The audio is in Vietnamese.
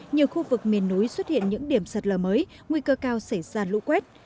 nhiều khu vực miền núi xuất hiện những điểm sạt lở mới nguy cơ cao xảy ra lũ quét